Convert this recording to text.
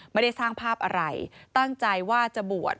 ไม่ได้สร้างภาพอะไรตั้งใจว่าจะบวช